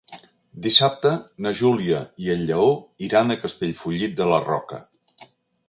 Dissabte na Júlia i en Lleó iran a Castellfollit de la Roca.